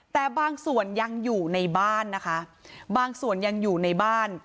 แต่บางส่วนยังอยู่ในบ้านนะคะบางส่วนยังอยู่ในบ้าน